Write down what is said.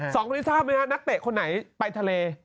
สองคนนี้ทราบไหมฮะนักเตะคนไหนไปทะเล